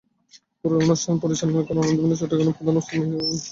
পুরো অনুষ্ঠান পরিচালনা করেন আনন্দধ্বনি চট্টগ্রামের প্রধান ওস্তাদ মিহির কুমার নন্দী।